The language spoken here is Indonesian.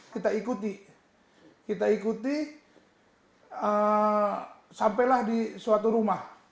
kita ikuti kita ikuti sampailah di suatu rumah